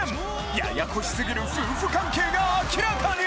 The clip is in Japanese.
ややこしすぎる夫婦関係が明らかに！？